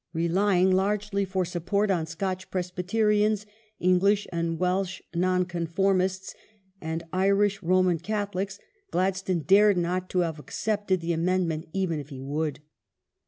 Relying largely for support on Scotch Presbyterians, English and Welsh Nonconfor mists, and Irish Roman Catholics, Gladstone dared not have ac cepted the amendment even if he would.